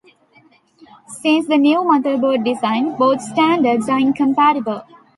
Since the new motherboard design, both standards are incompatible.